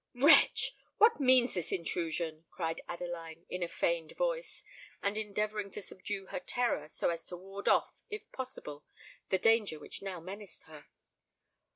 "Wretch! what means this intrusion?" cried Adeline, in a feigned voice, and endeavouring to subdue her terror so as ward off, if possible, the danger which now menaced her.